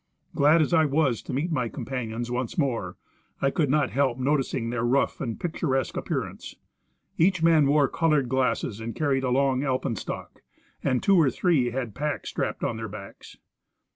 Glad as I was to meet my com panions once more, I could not help noticing their rough and picturesque appearance. Each man wore colored glasses and carried a long alpenstock, and two or three had packs strapped on their backs.